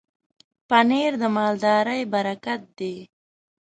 پنېر د مالدارۍ برکت دی.